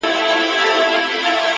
هره لحظه د بدلون نوې دروازه ده،